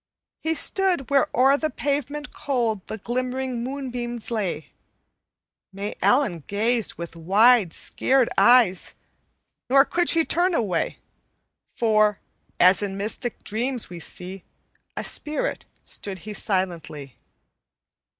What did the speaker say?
"He stood where o'er the pavement cold The glimmering moonbeams lay. May Ellen gazed with wide, scared eyes, Nor could she turn away, For, as in mystic dreams we see A spirit, stood he silently.